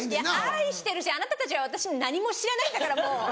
愛してるしあなたたちは私の何も知らないんだからもう！